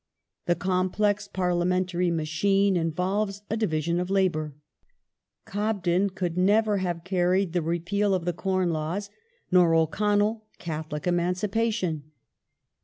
The complex parliamentary machine involves a division of labour. Cobden could never have carried the repeal of the Corn Laws, nor O'Connell Catholic Emancipation.